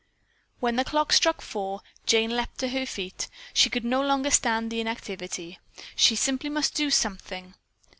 When the clock struck four, Jane leaped to her feet. She could no longer stand the inactivity. She simply must do something.